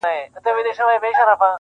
له هراته تر زابله سره یو کور د افغان کې-